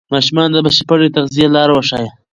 ماشومانو ته د بشپړې تغذیې لارې وښایئ.